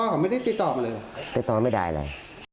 ก็ไม่ได้ติดต่อมาเลยติดต่อไม่ได้เลย